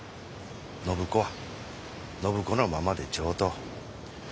暢子は暢子のままで上等。